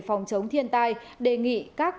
phòng chống thiên tai đề nghị các